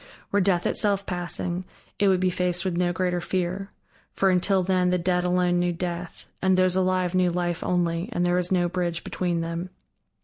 Were Death itself passing, it would be faced with no greater fear: for until then the dead alone knew Death, and those alive knew Life only and there was no bridge between them.